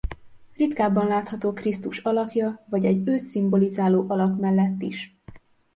Ritkábban látható Krisztus alakja vagy egy őt szimbolizáló alak mellett is.